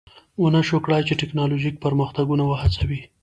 ونشوای کړای چې ټکنالوژیک پرمختګونه وهڅوي